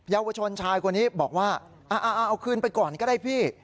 เยาวชนชายคนนี้บอกว่าเอาคืนไปก่อนก็ได้พี่